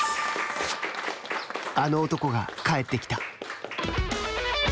あの男が帰ってきた。